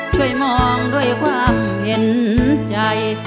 ช่วยมองด้วยความเห็นใจ